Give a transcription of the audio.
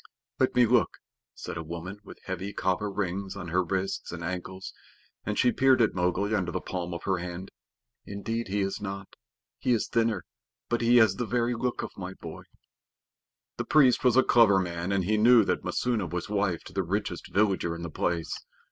"Let me look," said a woman with heavy copper rings on her wrists and ankles, and she peered at Mowgli under the palm of her hand. "Indeed he is not. He is thinner, but he has the very look of my boy." The priest was a clever man, and he knew that Messua was wife to the richest villager in the place.